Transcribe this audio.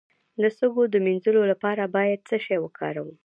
د سږو د مینځلو لپاره باید څه شی وکاروم؟